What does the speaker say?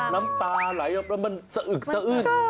น้ำตาไหลออกมาซะอึด